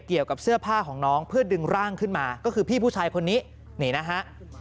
เกี่ยวกับเสื้อผ้าของน้องเพื่อดึงร่างขึ้นมาก็คือพี่ผู้ชายคนนี้นี่นะฮะ